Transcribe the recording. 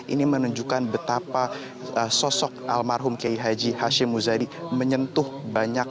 ini menunjukkan betapa sosok almarhum kiai haji hashim muzadi menyentuh banyak